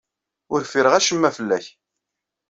Ur ffireɣ acemma fell-ak.